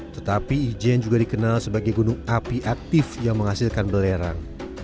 tetapi ijen juga dikenal sebagai gunung api aktif yang menghasilkan belerang